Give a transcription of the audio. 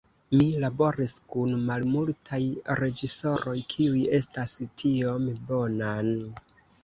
Mi laboris kun malmultaj reĝisoroj kiuj estas tiom bonaj".